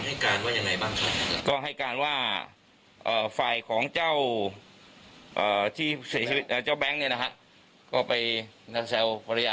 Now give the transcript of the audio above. และใช้อาวุธปืนของเขาก่อเหตุในครั้งนี้ครับผม